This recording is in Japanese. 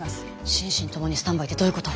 心身共にスタンバイってどういうこと？